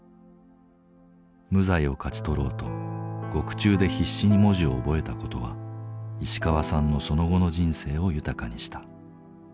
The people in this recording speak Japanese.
無罪を勝ち取ろうと獄中で必死に文字を覚えた事は石川さんのその後の人生を豊かにした。